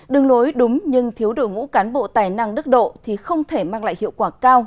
đường lối đúng nhưng thiếu đội ngũ cán bộ tài năng đức độ thì không thể mang lại hiệu quả cao